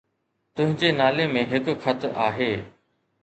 تنهنجي نالي ۾ هڪ خط آهي